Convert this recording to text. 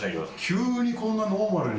急にこんなノーマルに。